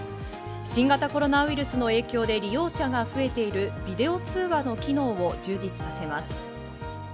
新型コロナウイルスの影響で利用者が増えているビデオ通話の機能を充実させます。